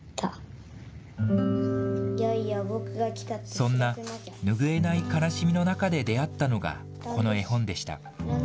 そんな拭えない悲しみの中で出会ったのが、この絵本でした。